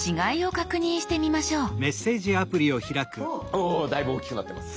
おだいぶおっきくなってます。